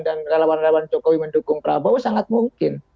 dan relawan relawan jokowi mendukung prabowo sangat mungkin